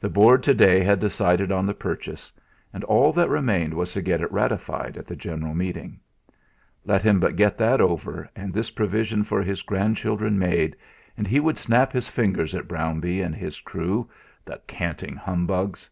The Board to day had decided on the purchase; and all that remained was to get it ratified at the general meeting. Let him but get that over, and this provision for his grandchildren made, and he would snap his fingers at Brownbee and his crew the canting humbugs!